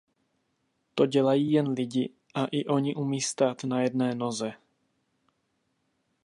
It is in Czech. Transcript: To dělají jen lidi a i oni umí stát na jedné noze.